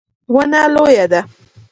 ونه لویه ده